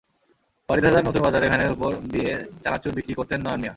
বারিধারার নতুন বাজারে ভ্যানের ওপর দোকান দিয়ে চানাচুর বিক্রি করতেন নয়ন মিয়া।